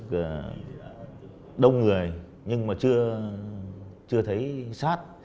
được đông người nhưng mà chưa chưa thấy sát